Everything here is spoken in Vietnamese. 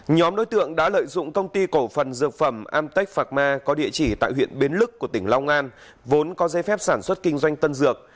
nhóm đối tượng đã lợi dụng công ty cổ phần dược phẩm amtech phạc ma có địa chỉ tại huyện bến lức của tỉnh long an vốn có dây phép sản xuất kinh doanh tân dược